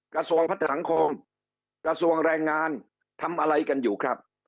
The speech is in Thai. กระทรวงพัฒนาสังคมกระทรวงแรงงานทำอะไรกันอยู่ครับ